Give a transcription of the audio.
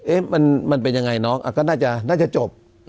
มันเป็นยังไงน้องก็น่าจะจบ